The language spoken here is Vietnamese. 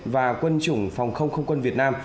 và quân chủng phòng không không quân việt nam